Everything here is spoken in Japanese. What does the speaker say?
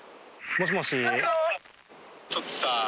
もしもし。